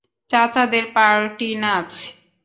চাচাদের party নাচ।